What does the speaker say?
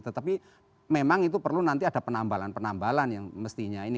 tetapi memang itu perlu nanti ada penambalan penambalan yang mestinya ini